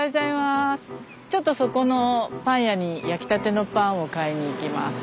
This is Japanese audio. ちょっとそこのパン屋に焼きたてのパンを買いに行きます。